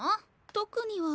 特には。